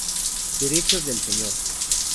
Derechos del señor.